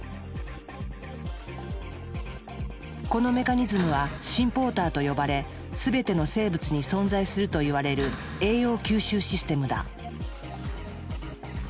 このメカニズムは「シンポーター」と呼ばれ全ての生物に存在すると言われる栄養吸収システムだ。